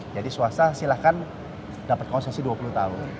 jadi swasta silahkan dapat konsesi dua puluh tahun